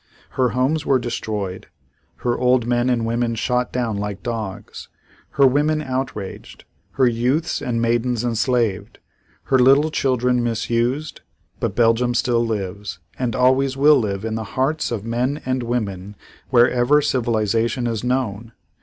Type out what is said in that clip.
Her homes were destroyed, her old men and women shot down like dogs, her women outraged, her youths and maidens enslaved, her little children misused, but Belgium still lives, and always will live in the hearts of men and women wherever civilization is known!